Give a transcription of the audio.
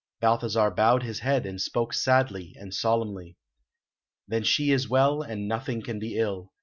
Balthasar bowed his head, and spoke sadly and solemnly. "Then she is well, and nothing can be ill.